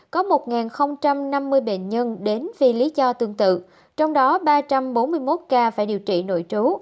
có một năm mươi bệnh nhân đến vì lý do tương tự trong đó ba trăm bốn mươi một ca phải điều trị nội trú